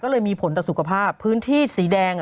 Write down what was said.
ก็เลยมีผลต่อสุขภาพพื้นที่สีแดง